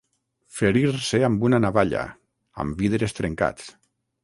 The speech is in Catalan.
Ferir-se amb una navalla, amb vidres trencats.